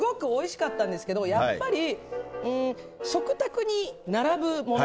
全部いただいてすごくおいしかったんですけどやっぱり食卓に並ぶもの